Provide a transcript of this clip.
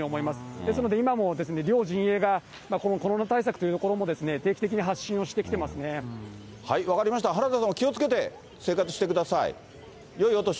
ですので、今も両陣営がコロナ対策というところも定期的に発信をしてきてま分かりました、原田さん、気をつけて生活してください。